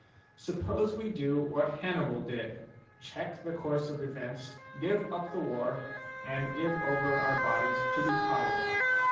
Suppose we do what Hannibal did, — check the course of events, give up the war, and give over our bodies to be coddled.